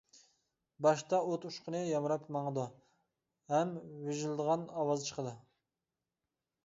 باشتا ئوت ئۇچقۇنى يامراپ ماڭىدۇ ھەم ۋىژىلدىغان ئاۋاز چىقىدۇ.